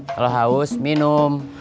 kalau haus minum